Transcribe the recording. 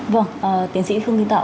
vâng tiến sĩ phương linh tạo